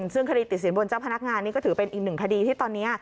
ซึ่งคดีติดสินบนเจ้าพนักงานนี่ก็ถือเป็นอีกหนึ่งคดีที่ตอนนี้